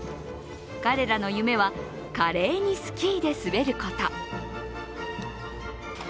彼らの夢は、華麗にスキーで滑ること。